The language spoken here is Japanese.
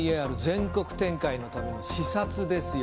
全国展開のための視察ですよ